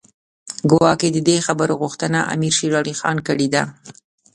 ګواکې د دې خبرو غوښتنه امیر شېر علي خان کړې ده.